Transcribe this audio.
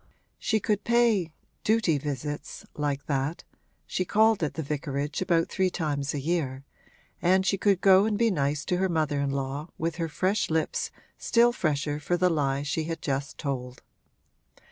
She could pay 'duty visits,' like that (she called at the vicarage about three times a year), and she could go and be nice to her mother in law with her fresh lips still fresher for the lie she had just told.